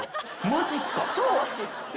マジっすか。